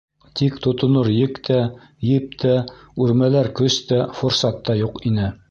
Тик тотонор ек тә, еп тә, үрмәләр көс тә, форсат та юҡ ине.